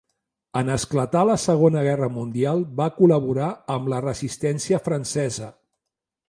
En esclatar la segona guerra mundial va col·laborar amb la Resistència francesa.